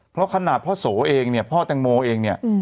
เพราะขนาดพ่อโสเองเนี่ยพ่อแตงโมเองเนี่ย